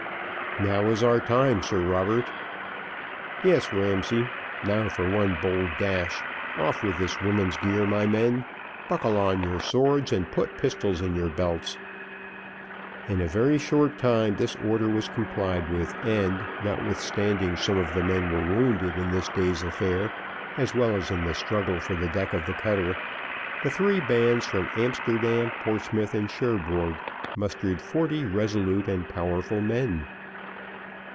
"Now is our time, Sir Robert." "Yes, Ramsay now for one bold dash off with this woman's gear, my men buckle on your swords and put pistols in your belts." In a very short time this order was complied with, and, notwithstanding some of the men were wounded in this day's affair, as well as in the struggle for the deck of the cutter, the three bands from Amsterdam, Portsmouth, and Cherbourg mustered forty resolute and powerful men.